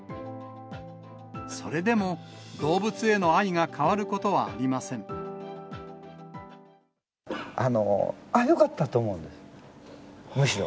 それでも動物への愛が変わることあ、よかったと思うんです、むしろ。